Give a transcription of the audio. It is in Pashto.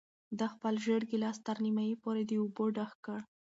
ده خپل زېړ ګیلاس تر نیمايي پورې له اوبو ډک کړ.